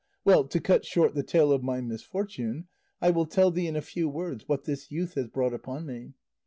Well, to cut short the tale of my misfortune, I will tell thee in a few words what this youth has brought upon me.